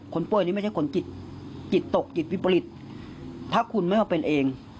คนป่วยนี่ไม่ใช่คนจิตจิตตกจิตวิปริตถ้าคุณไม่เอาเป็นเอง